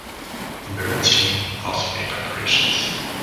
Byrd's team also made preparations.